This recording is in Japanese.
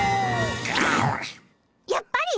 やっぱり！